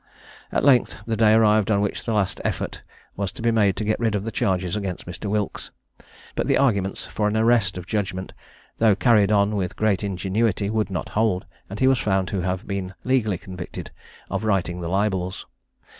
At length the day arrived on which the last effort was to be made to get rid of the charges against Mr. Wilkes; but the arguments for an arrest of judgment, though carried on with great ingenuity, would not hold, and he was found to have been legally convicted of writing the libels.